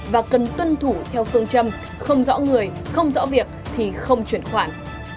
và cần tuân thủ theo phương châm không rõ người không rõ việc thì không chuyển khoản